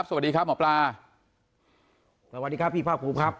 สวัสดีครับพี่ภาคภูมิครับ